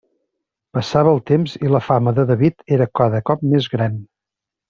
Passava el temps i la fama de David era cada cop més gran.